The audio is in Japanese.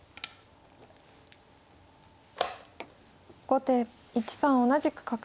後手１三同じく角。